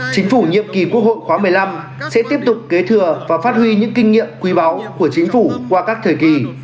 chính phủ nhiệm kỳ quốc hội khóa một mươi năm sẽ tiếp tục kế thừa và phát huy những kinh nghiệm quý báu của chính phủ qua các thời kỳ